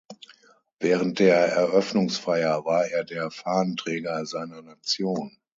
Während der Eröffnungsfeier war er der Fahnenträger seiner Nation.